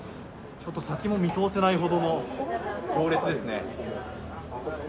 ちょっと先も見通せないほどの行列ですね。